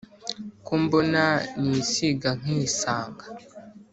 ko mbona nisiga nkisanga